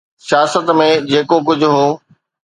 سياست ۾ جيڪو ڪجهه هو.